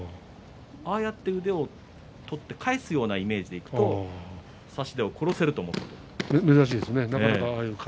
ああやって腕を取って返すようなイメージでいくと差し手を殺せないと思ったと。